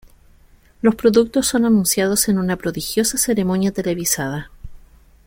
Los productos son anunciados en una prodigiosa ceremonia televisada.